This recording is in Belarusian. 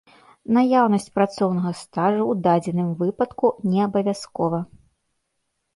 Наяўнасць працоўнага стажу ў дадзеным выпадку неабавязкова.